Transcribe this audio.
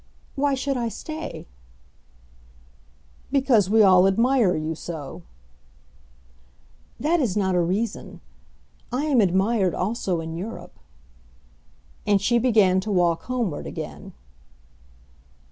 "Why should I stay?" "Because we all admire you so." "That is not a reason. I am admired also in Europe." And she began to walk homeward again.